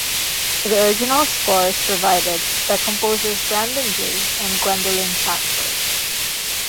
The original score is provided by composers Brandon Jay and Gwendolyn Sanford.